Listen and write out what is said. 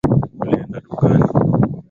Ulienda dukani